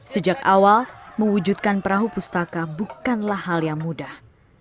sejak awal mewujudkan perahu pustaka bukanlah hal yang mudah